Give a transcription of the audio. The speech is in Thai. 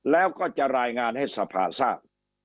แล้วก็จะรายงานให้สภาทราบ